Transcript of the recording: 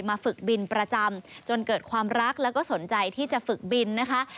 ฝึกบินประจำจนเกิดความรักแล้วก็สนใจที่จะฝึกบินนะคะ